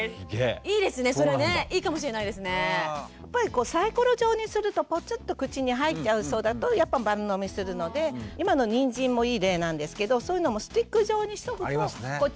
やっぱりサイコロ状にするとポツっと口に入っちゃいそうだとやっぱ丸飲みするので今のにんじんもいい例なんですけどそういうのもスティック状にしとくとこうちぎってくっていう。